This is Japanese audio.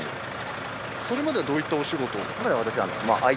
それまではどういったお仕事を？